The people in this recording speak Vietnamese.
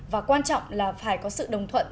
và quan trọng là phải có sự đồng thuận